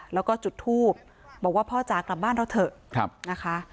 แล้วก็จุดทูบบอกว่าพ่อจ๋ากลับบ้านเราเถอะนะคะ